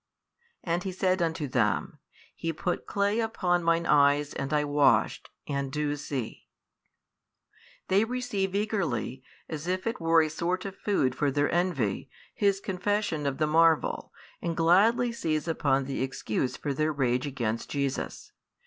And he said unto them, He put clay upon mine eyes and I washed, and do see. They receive eagerly, as if it were a sort of food for their envy, his confession of the marvel, and gladly seize upon the excuse for their rage against Jesus.